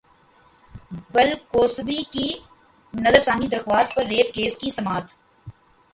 بل Cosby کی نظرثانی درخواست پر ریپ کیس کی سماعت